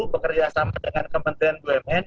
bekerjasama dengan kementerian bumn